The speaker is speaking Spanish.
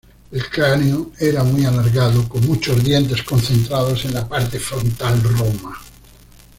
El cráneo era muy alargado, con muchos dientes concentrados en la parte frontal roma.